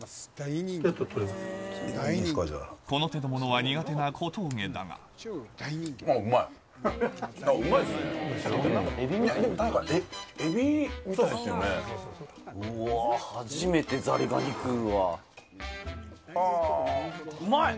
この手のものは苦手な小峠だああ、うまい。